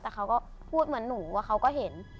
แต่เขาก็พูดเหมือนหนูว่าเขาก็เห็น